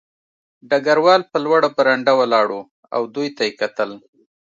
ډګروال په لوړه برنډه ولاړ و او دوی ته یې کتل